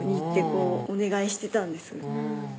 こうお願いしてたんですあぁ